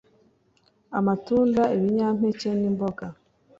Amatunda ibinyampeke nimboga